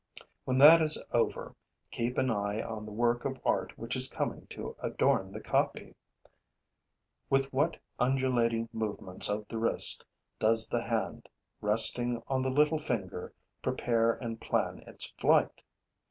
When that is over, keep an eye on the work of art which is coming to adorn the copy! With what undulating movements of the wrist does the hand, resting on the little finger, prepare and plan its flight!